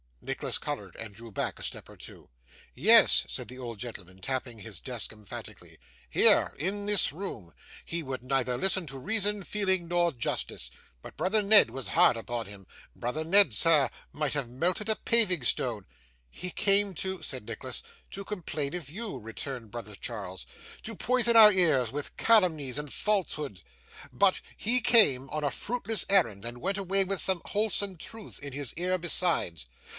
Nicholas coloured, and drew back a step or two. 'Yes,' said the old gentleman, tapping his desk emphatically, 'here, in this room. He would listen neither to reason, feeling, nor justice. But brother Ned was hard upon him; brother Ned, sir, might have melted a paving stone.' 'He came to ' said Nicholas. 'To complain of you,' returned brother Charles, 'to poison our ears with calumnies and falsehoods; but he came on a fruitless errand, and went away with some wholesome truths in his ear besides.